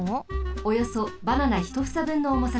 およそバナナ１ふさぶんのおもさです。